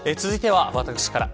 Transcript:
続いては私から。